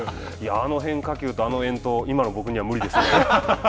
あの変化球とあの遠投今の僕には無理ですね。